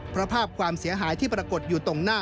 เพราะภาพความเสียหายที่ปรากฏอยู่ตรงหน้า